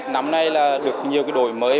năm nay là được nhiều cái đổi mới